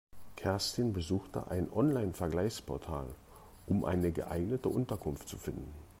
Kerstin besuchte ein Online-Vergleichsportal, um eine geeignete Unterkunft zu finden.